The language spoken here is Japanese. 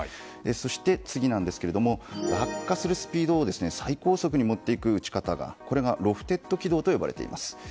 そして、落下するスピードを最高速に持っていく撃ち方がロフテッド軌道と呼ばれています。